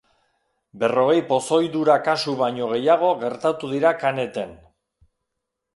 Berrogei pozoidura-kasu baino gehiago gertatu dira Caneten.